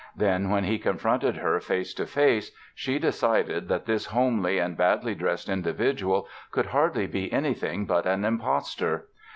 Then, when he confronted her face to face, she decided that this homely and badly dressed individual, could hardly be anything but an impostor.